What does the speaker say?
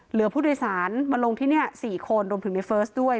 เหลือผู้โดยสารมาลงที่นี่๔คนรวมถึงในเฟิร์สด้วย